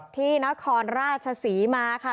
ที่นครราชศรีมาค่ะ